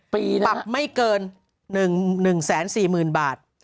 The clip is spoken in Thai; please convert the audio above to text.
ปรับไม่เกิน๑แสน๔หมื่นบาท